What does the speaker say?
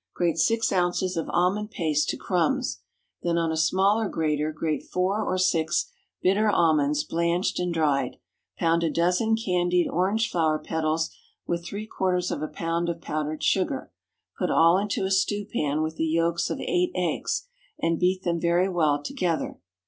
_ Grate six ounces of almond paste to crumbs; then on a smaller grater grate four or six bitter almonds blanched and dried; pound a dozen candied orange flower petals with three quarters of a pound of powdered sugar; put all into a stewpan with the yolks of eight eggs, and beat them very well together.